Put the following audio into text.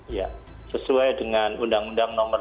iya sesuai dengan undang undang nomor dua